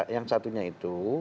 yang satunya itu